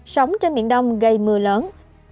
sóng trên miền đông gây mưa lớn